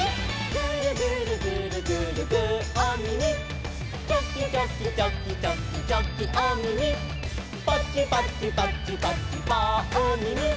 「グルグルグルグルグーおみみ」「チョキチョキチョキチョキチョキおみみ」「パチパチパチパチパーおみみ」